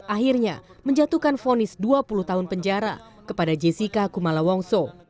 akhirnya menjatuhkan fonis dua puluh tahun penjara kepada jessica kumala wongso